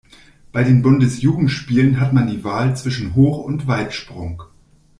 Bei den Bundesjugendspielen hat man die Wahl zwischen Hoch- und Weitsprung.